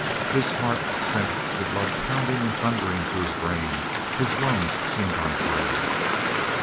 His heart sent the blood pounding and thundering to his brain; his lungs seemed on fire.